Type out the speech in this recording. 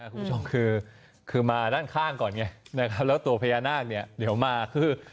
คุณผู้ชมคือมาด้านข้างก่อนไงนะครับแล้วตัวพญานาคเนี่ยเดี๋ยวมาคือ